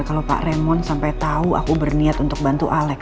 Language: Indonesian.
kalo pak raymond sampai tau aku berniat untuk bantu alex